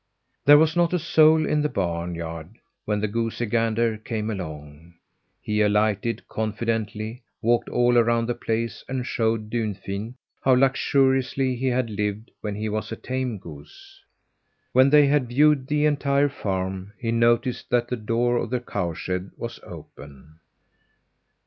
There was not a soul in the barn yard when the goosey gander came along. He alighted, confidently walked all around the place, and showed Dunfin how luxuriously he had lived when he was a tame goose. When they had viewed the entire farm, he noticed that the door of the cow shed was open.